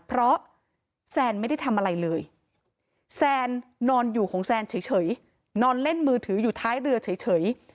เพราะแซนไม่ได้ทำอะไรเลยแซนนอนอยู่ของแซนเฉยนอนเล่นมือถืออยู่ท้ายเรือเฉย